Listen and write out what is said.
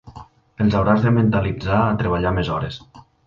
Els hauràs de mentalitzar a treballar més hores.